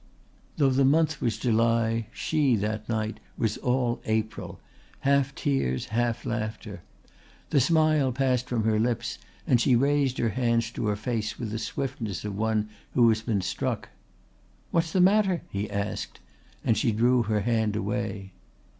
Though the month was July she that night was all April, half tears, half laughter. The smile passed from her lips and she raised her hands to her face with the swiftness of one who has been struck. "What's the matter?" he asked, and she drew her hand away.